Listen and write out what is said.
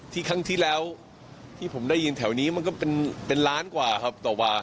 ครั้งที่แล้วที่ผมได้ยินแถวนี้มันก็เป็นล้านกว่าครับต่อวา